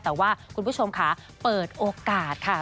แต่ว่าคุณผู้ชมค่ะเปิดโอกาสค่ะ